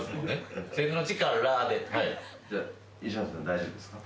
大丈夫ですか？